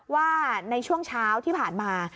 ว่าในช่วงเช้าที่ผ่านมา